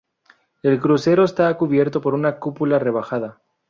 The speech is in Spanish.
El crucero está cubierto por una cúpula rebajada.